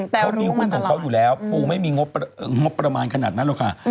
เขามีหุ้นของเขาอยู่แล้วปูไม่มีงบประมาณขนาดนั้นหรอกค่ะ